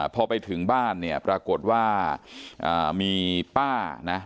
พอไปถึงบ้านเนี่ยปรากฏว่ามีป้านะ